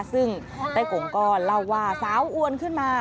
ซึ่งใต้กงก็เล่าว่าสาวอวนขึ้นมา